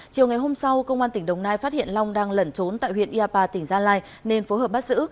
chiều ngày hôm sau công an tỉnh đồng nai phát hiện long đang lẩn trốn tại huyện yapa tỉnh gia lai nên phối hợp bắt giữ